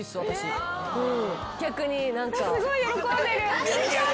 ・すごい喜んでる。